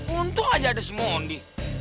untung aja ada si mondi